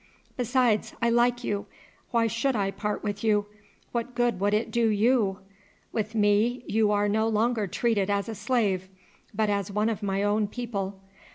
Besides, I like you. Why should I part with you? What good would it do you? With me you are no longer treated as a slave, but as one of my own people.